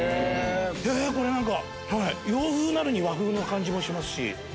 これ何か洋風なのに和風の感じもしますし。